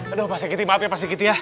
aduh pak sergiti maaf ya pak sergiti ya